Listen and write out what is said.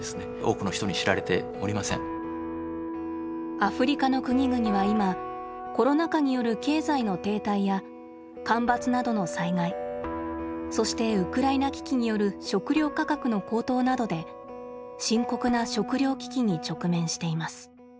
アフリカの国々はいまコロナ禍による経済の停滞や干ばつなどの災害そしてウクライナ危機による食料価格の高騰などで深刻な食料危機に直面しています。